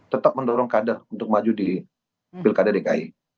tetap mendorong kader untuk maju di pilkada dki